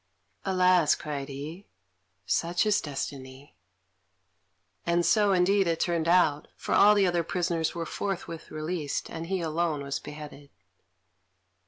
"Alas!" cried he, "such is destiny;" and so indeed it turned out, for all the other prisoners were forthwith released, and he alone was beheaded.